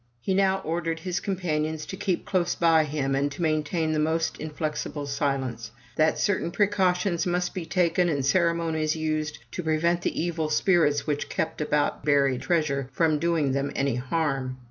He now ordered his companions to keep close by him, and to main tain the most inflexible silence. That certain precautions must be taken and ceremonies used to prevent the evil spirits which kept about buried treasure from doing them any harm.